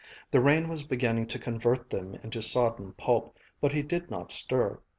The rain was beginning to convert them into sodden pulp, but he did not stir.